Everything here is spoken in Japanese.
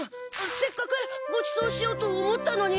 せっかくごちそうしようとおもったのに。